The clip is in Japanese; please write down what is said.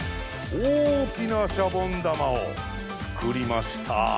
大きなシャボン玉を作りました。